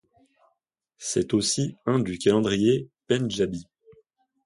C’est aussi un du calendrier Pendjabi.